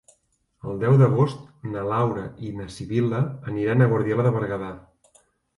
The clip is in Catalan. El deu d'agost na Laura i na Sibil·la aniran a Guardiola de Berguedà.